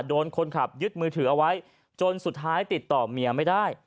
โดนคนขับยึดมือถือเอาไว้จนสุดท้ายติดต่อเมียไม่ได้